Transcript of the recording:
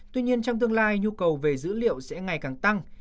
tuy nhiên trong tương lai nhu cầu về dữ liệu sẽ ngày càng tăng